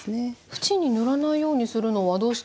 縁に塗らないようにするのはどうしてですか？